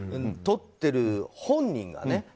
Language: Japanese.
撮ってる本人がね。